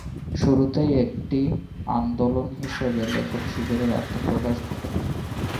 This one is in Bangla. শুরুতেই একটি ‘আন্দোলন’ হিসেবে লেখক শিবিরের আত্মপ্রকাশ ঘটে।